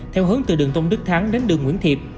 theo hướng từ đường tôn đức thắng đến đường nguyễn thiệp